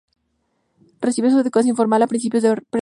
Recibió su educación formal a principios de preceptores.